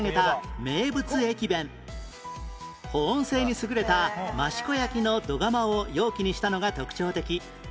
保温性に優れた益子焼の土釜を容器にしたのが特徴的